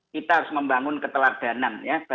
kita harus membangun keteladanan